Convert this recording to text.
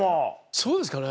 そうですかね？